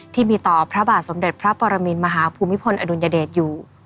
ที่มีต่อพระบาทสมเด็จพระปรมินมหาภูมิพลอดุลยเดชอยู่